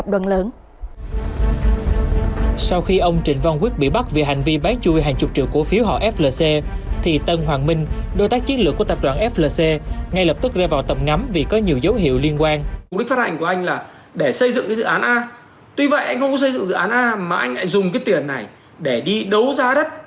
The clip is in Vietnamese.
mà anh lại dùng cái tiền này để đi đấu giá đất